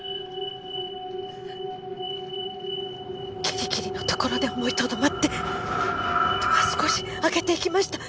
ギリギリのところで思いとどまって戸は少し開けていきました。